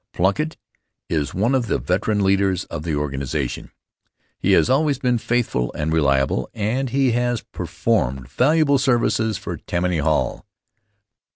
Plunkitt is one of the veteran leaders of the organization; he has always been faithful and reliable, and he has performed valuable services for Tammany Hall.